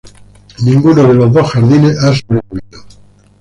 Ninguno de esos dos jardines ha sobrevivido.